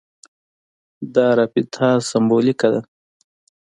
دا رابطه سېمبولیکه ده.